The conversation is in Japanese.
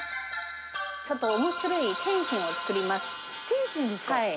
ちょっとおもしろい点心を作ります。